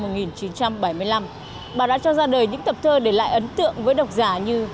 trong năm một nghìn chín trăm bảy mươi năm bà đã cho ra đời những tập thơ để lại ấn tượng với độc giả như